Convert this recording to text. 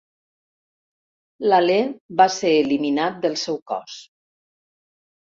L'alè va ser eliminat del seu cos.